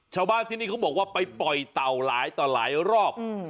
ชาวบ้านที่นี่เขาบอกว่าไปปล่อยเต่าหลายต่อหลายรอบ